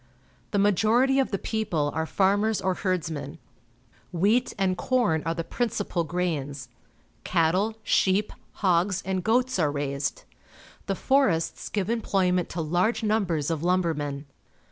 The majority of the people are farmers or herdsmen. Wheat and corn are the principal grains. Cattle, sheep, hogs, and goats are raised. The forests give emploj'ment to large numbers of lumbermen.